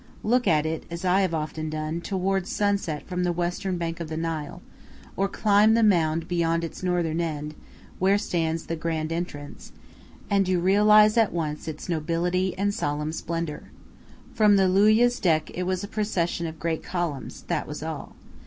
Look at it, as I have often done, toward sunset from the western bank of the Nile, or climb the mound beyond its northern end, where stands the grand entrance, and you realize at once its nobility and solemn splendor. From the Loulia's deck it was a procession of great columns; that was all.